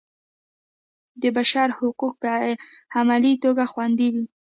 د بشر حقونه په عملي توګه خوندي وي.